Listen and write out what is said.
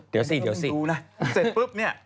เดี๋ยวสิเดี๋ยวสิ